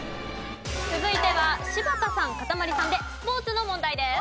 続いては柴田さんかたまりさんでスポーツの問題です。